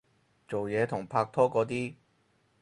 做嘢同拍拖嗰啲